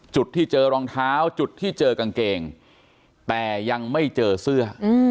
จุดที่เจอรองเท้าจุดที่เจอกางเกงแต่ยังไม่เจอเสื้อ